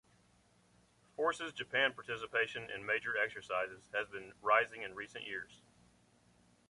Forces Japan participation in major exercises has been rising in recent years.